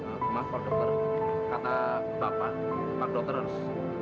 aku maaf pak dokter kata bapak pak dokter harus